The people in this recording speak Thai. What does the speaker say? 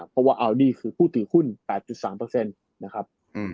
เพราะว่าอัลดี้คือผู้ถือหุ้น๘๓นะครับ